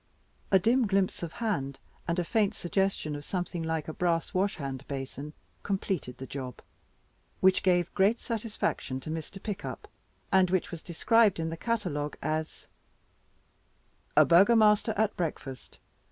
A dim glimpse of a hand, and a faint suggestion of something like a brass washhand basin, completed the job, which gave great satisfaction to Mr. Pickup, and which was described in the catalogue as "A Burgomaster at Breakfast.